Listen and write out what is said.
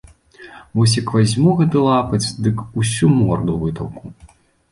Вось як вазьму гэты лапаць, дык усю морду вытаўку.